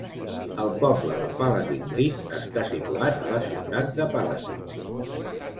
El poble de Palatine Bridge està situat a la ciutat de Palatine.